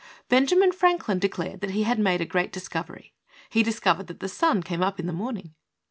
HEALTH. 73 Benjamin Franklin declared that he had made a great discovery. He discovered that the sun came up in the morning.